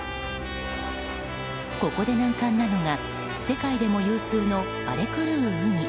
ここで難関なのが世界でも有数の荒れ狂う海